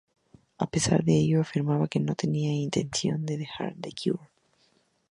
A pesar de ello, afirmaba que no tenía intención de dejar The Cure.